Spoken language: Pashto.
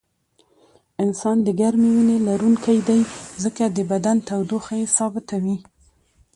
انسان د ګرمې وینې لرونکی دی ځکه د بدن تودوخه یې ثابته وي